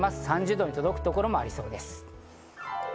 ３０度に届くところもありそうです。